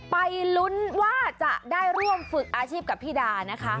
ไปลุ้นว่าจะได้ร่วมฝึกอาชีพกับพี่ดานะคะ